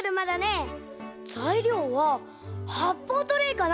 ざいりょうははっぽうトレーかな？